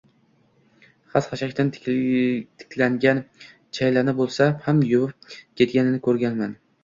xas-xashakdan tiklangan chaylani bo’lsa ham yuvib ketganini ko’rmaganman